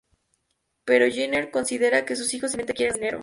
Pero Yeager considera que sus hijos simplemente quieren más dinero.